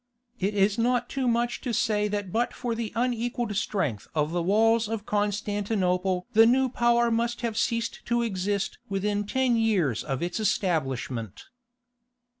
It is not too much to say that but for the unequalled strength of the walls of Constantinople the new power must have ceased to exist within ten years of its establishment.